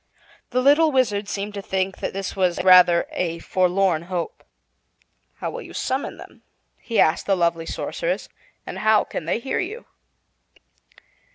The little Wizard seemed to think that this was rather a forlorn hope. "How will you summon them," he asked the lovely Sorceress, "and how can they hear you?"